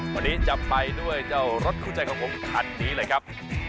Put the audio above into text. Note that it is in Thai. วันนี้จะไปด้วยเจ้ารถคู่ใจของผมคันนี้เลยครับ